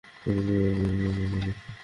তিনি চমৎকার কবিতা লিখতেন।